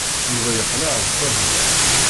Yuba yeqleɛ d tazzla.